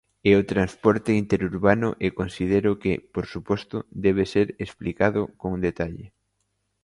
É o transporte interurbano e considero que, por suposto, debe ser explicado con detalle.